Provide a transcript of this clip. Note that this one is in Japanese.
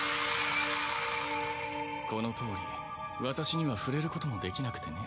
このとおり私には触れることもできなくてね。